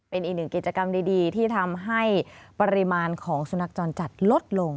เป็นอีกหนึ่งกิจกรรมดีที่ทำให้ปริมาณของสุนัขจรจัดลดลง